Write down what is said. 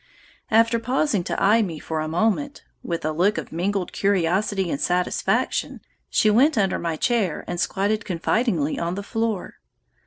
After pausing to eye me for a moment, with a look of mingled curiosity and satisfaction, she went under my chair and squatted confidingly on the floor.